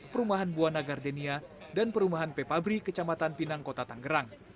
perumahan buana gardenia dan perumahan pepabri kecamatan pinang kota tanggerang